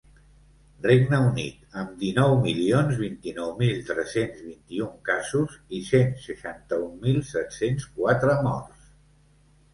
Regne Unit, amb dinou milions vint-i-nou mil tres-cents vint-i-un casos i cent seixanta-un mil set-cents quatre morts.